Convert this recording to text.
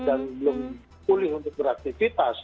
dan belum pulih untuk beraktifitas